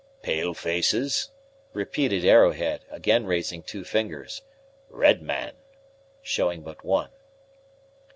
"Pale faces," repeated Arrowhead, again raising two fingers, "red man," showing but one.